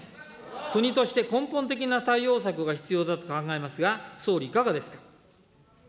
国として根本的な対応策が必要だと考えますが、総理、いかがですか。